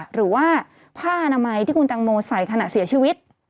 หรือว่าผ้าอนามัยที่คุณตังโมใส่ขณะเสียชีวิต